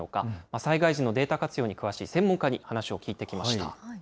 災害時のデータ活用に詳しい専門家に話を聞いてきました。